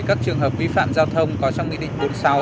các trường hợp vi phạm giao thông có trong nghị định bốn mươi sáu